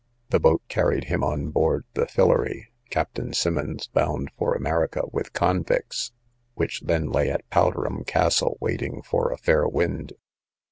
The boat carried him on board the Phillory, Captain Simmonds, bound for America with convicts, which then lay at Powderham castle waiting for a fair wind.